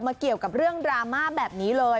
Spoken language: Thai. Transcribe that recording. เกี่ยวกับเรื่องดราม่าแบบนี้เลย